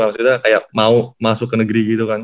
maksudnya kayak mau masuk ke negeri gitu kan